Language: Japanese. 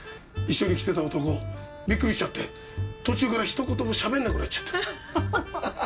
一緒に来てた男ビックリしちゃって途中からひと言もしゃべんなくなっちゃった。